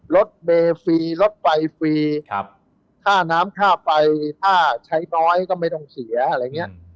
รถเมฟรีรถไฟฟรีค่าน้ำค่าไฟถ้าใช้น้อยก็ไม่ต้องเสียอะไรอย่างนี้